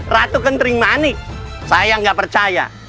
ratu kentering manik saya gak percaya